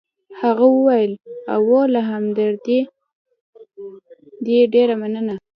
هغه وویل: اوه، له همدردۍ دي ډېره مننه.